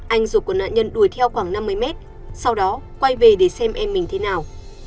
anh ruột của nạn nhân đuổi theo khoảng năm mươi mét sau đó quay về để xem em mình thế nào